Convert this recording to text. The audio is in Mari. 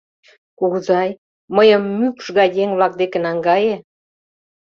Кугызай, мыйым мӱкш гай еҥ-влак деке наҥгае...